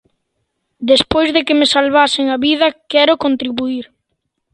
Despois de que me salvasen a vida, quero contribuír.